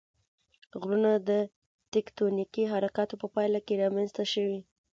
غرونه د تکتونیکي حرکاتو په پایله کې رامنځته شوي.